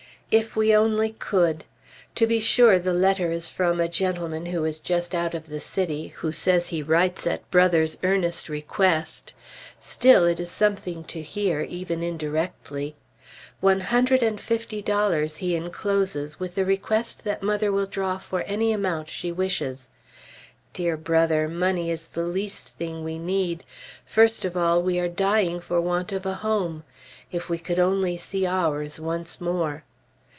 If we only could! To be sure the letter is from a gentleman who is just out of the city, who says he writes at Brother's earnest request; still it is something to hear, even indirectly. One hundred and fifty dollars he encloses with the request that mother will draw for any amount she wishes. Dear Brother, money is the least thing we need; first of all, we are dying for want of a home. If we could only see ours once more!